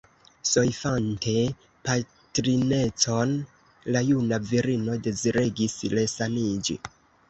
Soifante patrinecon, la juna virino deziregis resaniĝi.